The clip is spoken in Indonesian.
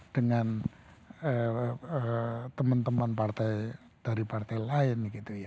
dengan teman teman dari partai lain gitu ya